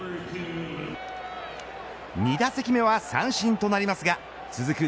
２打席目は三振となりますが続く